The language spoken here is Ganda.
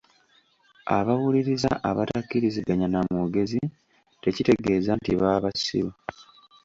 Abawuliriza abatakkiriziganya na mwogezi tekitegeeza nti baba basiru.